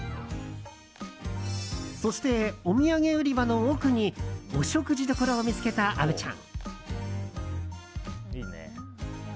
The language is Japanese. そして、お土産売り場の奥にお食事どころを見つけた虻ちゃん。